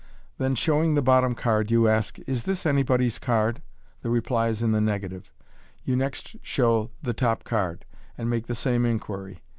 Then, showing the bottom card, you ask, " Is this anybody's card ?" The reply is in the negative. You next show the top card, and make the same inquiry.